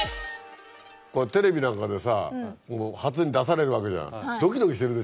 これテレビなんかでさ初に出されるわけじゃん。